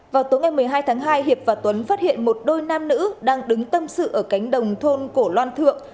vào tối ngày một mươi hai tháng hai hiệp và tuấn phát hiện một đôi nam nữ đang đứng tâm sự ở cánh đồng thôn cổ loa thượng